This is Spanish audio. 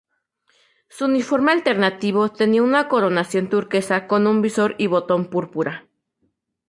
Su uniforme alternativo tenía una coronación turquesa con un visor y botón púrpura.